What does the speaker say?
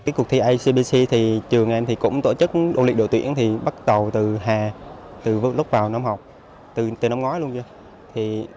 cuộc thi acpc thì trường em cũng tổ chức độ lịch đội tuyển bắt đầu từ hè từ lúc vào năm học từ năm ngoái luôn chứ